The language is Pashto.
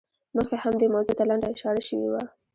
مخکې هم دې موضوع ته لنډه اشاره شوې وه.